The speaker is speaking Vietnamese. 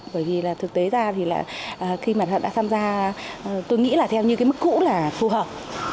bởi vì là thực tế ra thì là khi mà họ đã tham gia tôi nghĩ là theo như cái mức cũ là phù hợp